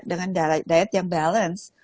dengan diet yang balance